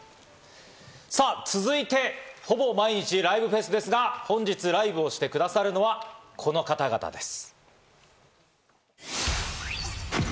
さあ続いて、ほぼ毎日ＬＩＶＥフェスですが、本日ライブをしてくださるのがこの方々です。